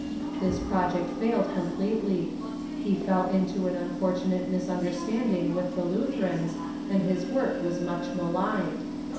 This project failed completel3^ He fell into an unfortunate misunderstanding with the Lutherans, and his work was much maligned.